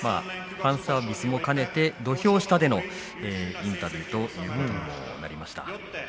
ファンサービスも兼ねて土俵下でのインタビューを行うようになりました。